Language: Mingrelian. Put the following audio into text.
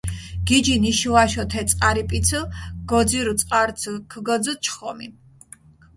გიჯინ იშო-აშო თე წყარიპიცჷ, ქოძირჷ წყარცჷ ქჷგოძჷ ჩხომი.